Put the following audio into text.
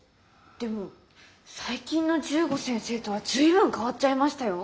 でも最近の十五先生とは随分変わっちゃいましたよ。